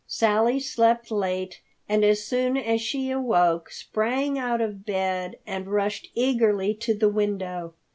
Sally slept late, and as soon as she awoke sprang out of bed and rushed eagerly to the window.